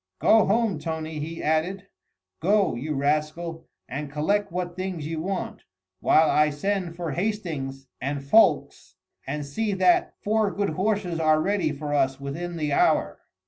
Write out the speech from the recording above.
"Go home, Tony!" he added, "go, you rascal, and collect what things you want, while I send for Hastings and Ffoulkes, and see that four good horses are ready for us within the hour.